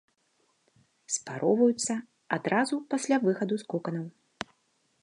Спароўваюцца адразу пасля выхаду з коканаў.